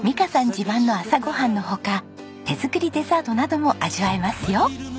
自慢の朝ごはんの他手作りデザートなども味わえますよ。